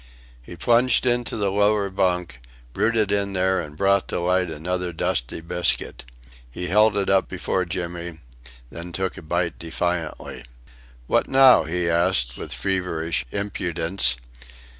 He plunged into the lower bunk, rooted in there and brought to light another dusty biscuit. He held it up before Jimmy then took a bite defiantly. "What now?" he asked with feverish impudence.